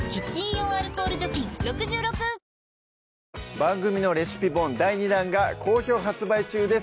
番組のレシピ本第２弾が好評発売中です